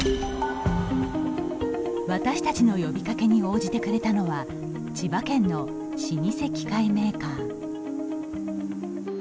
私たちの呼びかけに応じてくれたのは千葉県の老舗機械メーカー。